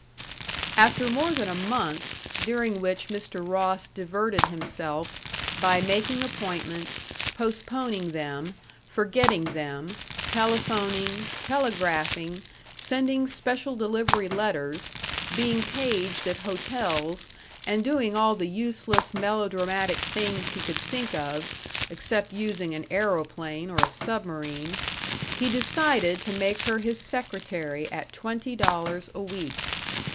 After more than a month, during which Mr. Ross diverted himself by making appointments, postponing them, forgetting them, telephoning, telegraphing, sending special delivery letters, being paged at hotels, and doing all the useless melodramatic things he could think of, except using an aeroplane or a submarine, he decided to make her his secretary at twenty dollars a week.